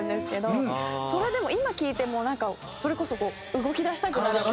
それでも今聴いてもそれこそこう動き出したくなる曲。